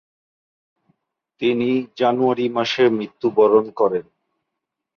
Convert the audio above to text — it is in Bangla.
তিনি জানুয়ারি মাসে মৃত্যুবরণ করেন।